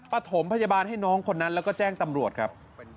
ปฐมพยาบาลให้น้องคนนั้นแล้วก็แจ้งตำรวจครับ